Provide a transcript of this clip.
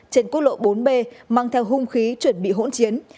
trên quốc lộ bốn b mang theo hung khí chuẩn bị hỗn chiến